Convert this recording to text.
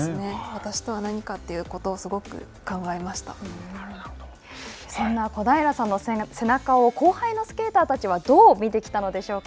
私とは何かということをすごく考そんな小平さんの背中を後輩のスケーターたちは、どう見てきたのでしょうか。